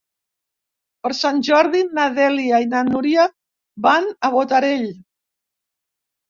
Per Sant Jordi na Dèlia i na Núria van a Botarell.